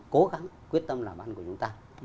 xem kẽ và cố gắng quyết tâm làm ăn của chúng ta